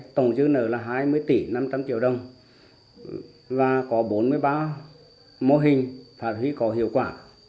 tổng chức nở là hai mươi tỷ năm trăm linh triệu đồng và có bốn mươi ba mô hình phản hữu có hiệu quả